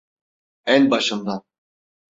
En başından.